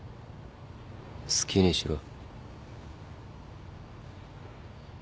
好きにしろ。